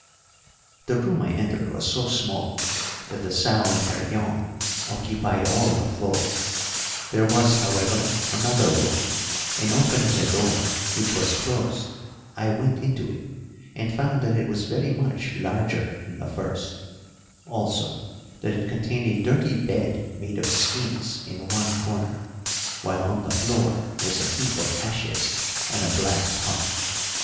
The room I entered was so small that the sow and her young occupied all the floor; there was, however, another room, and, opening the door, which was closed, I went into it, and found that it was very much larger than the first; also, that it contained a dirty bed made of skins in one corner, while on the floor was a heap of ashes and a black pot.